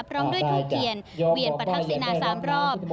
พร้อมด้วยถูกเกียรติเวียนประทับสินา๓รอบ